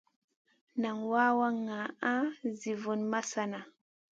Nan wawa ŋa zi vun masana.